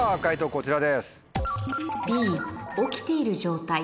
こちらです。